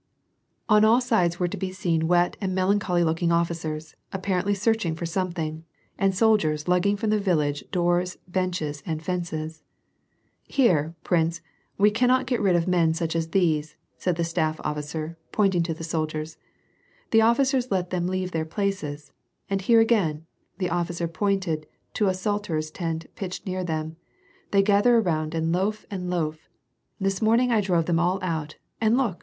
On all sides were to be seen wet and melancholy looking officers, apparently searching for something, and soldiers lug ging from the village doors, benches and fences. " Here, prince, we cannot get rid of such men as these," said the staff officer, pointing to the soldiers. "The officers let them leave their places. And here again !" the officer, pointed to a sutler's tent pitched near them, '* they gather around and loaf and loaf. This morning I drove them all out, and look